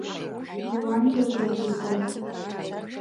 Леуанти агәра диргон.